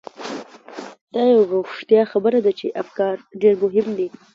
دا یوه رښتیا خبره ده چې افکار ډېر مهم دي.